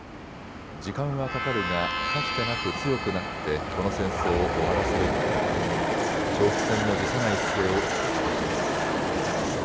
時間はかかるが、かつてなく強くなってこの戦争を終わらせると述べ長期戦も辞さない姿勢を示しました。